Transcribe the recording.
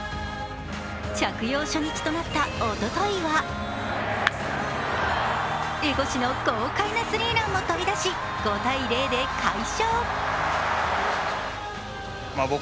着用初日となったおとといは、江越の豪快なスリーランも飛び出し５−０で快勝。